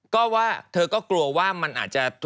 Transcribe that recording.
ก็ว่าเธอก็กลัวว่ามันอาจจะ